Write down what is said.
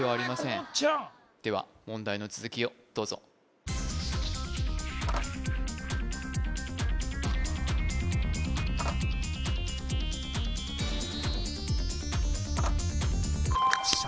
こうちゃんでは問題の続きをどうぞよっしゃ！